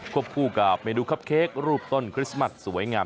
คู่กับเมนูคับเค้กรูปต้นคริสต์มัสสวยงาม